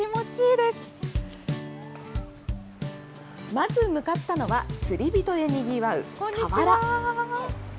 まず向かったのは、釣り人でにぎわう河原。